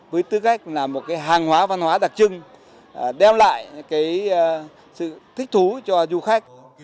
với tư cách là một hàng hóa văn hóa đặc trưng đem lại sự thích thú cho du khách